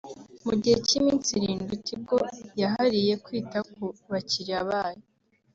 Mu gihe cy’iminsi irindwi Tigo yahariye kwita ku bakiriya bayo